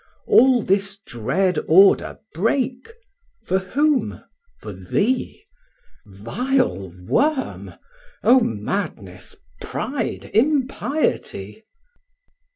All this dread order break—for whom? for thee? Vile worm!—Oh, madness! pride! impiety!